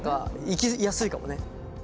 行きやすいかもね。